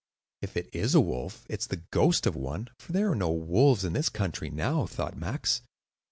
"If it is a wolf, it is the ghost of one; for there are no wolves in this country now," thought Max.